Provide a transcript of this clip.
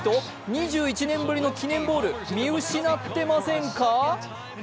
２１年ぶりの記念ボール、見失ってませんか？